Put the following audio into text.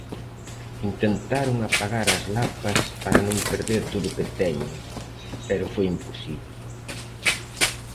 Intentaron apagar as lapas para non perder todo o que teñen, pero foi imposible.